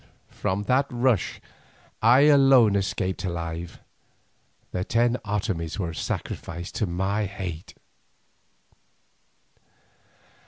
From that rush I alone escaped alive, the ten Otomies were sacrificed to my hate.